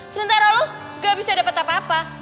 sebentar loh gak bisa dapat apa apa